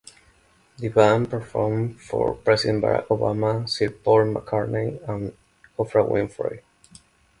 The band performed for President Barack Obama, Sir Paul McCartney and Oprah Winfrey.